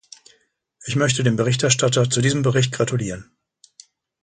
Ich möchte dem Berichterstatter zu diesem Bericht gratulieren.